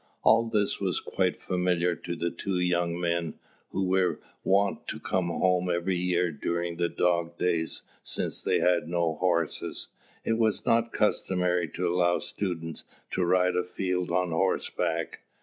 All this was quite familiar to the two young men, who were wont to come home every year during the dog days, since they had no horses, and it was not customary to allow students to ride afield on horseback.